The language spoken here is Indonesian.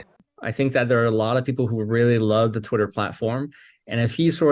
saya pikir ada banyak orang yang sangat menyukai platform twitter